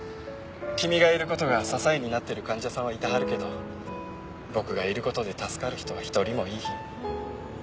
君がいる事が支えになってる患者さんはいてはるけど僕がいる事で助かる人は１人もいいひん。